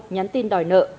nhắn tin đòi nợ